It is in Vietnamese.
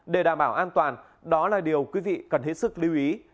để đảm bảo an toàn đó là điều quý vị cần hết sức lưu ý